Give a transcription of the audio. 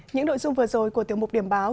những nội dung vừa rồi của tiếng mục điểm báo